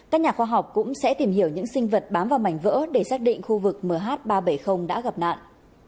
các nhà khoa học cũng sẽ tìm hiểu những sinh vật bám vào mảnh vỡ để xác định khu vực mh ba trăm bảy mươi đã gặp nạn